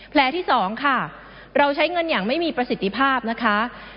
ที่๒ค่ะเราใช้เงินอย่างไม่มีประสิทธิภาพนะคะ